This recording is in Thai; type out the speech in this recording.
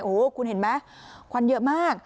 โอ้โหคุณเห็นไหมควันเยอะมาก